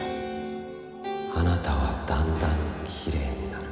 「あなたはだんだんきれいになる」